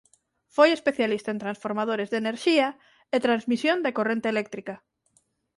Foi especialista en transformadores de enerxía e transmisión de corrente eléctrica.